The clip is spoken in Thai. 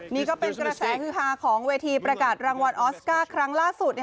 นี่ก็เป็นกระแสฮือฮาของเวทีประกาศรางวัลออสการ์ครั้งล่าสุด